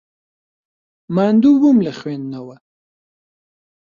ماندوو بووم لە خوێندنەوە.